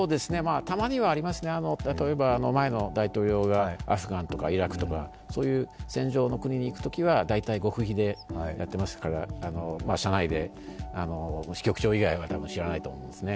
たまにはありますね、例えば前の大統領がアフガンとかイラクとかそういう戦場の国に行くときは大体極秘でやってましたから社内で支局長以外は多分、知らないと思いますね。